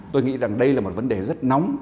tôi nghĩ rằng đây là một vấn đề rất nóng